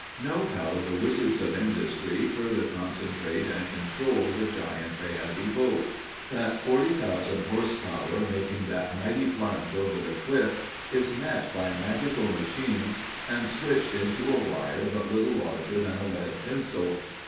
Note how the wizards of industry further concentrate and control the giant they have evoked. That forty thousand horse power making that mighty plunge over the cliff is met by magical machines and switched into a wire but little larger than a lead pencil.